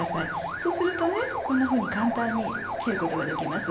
そうするとこんなふうに簡単に切ることができます。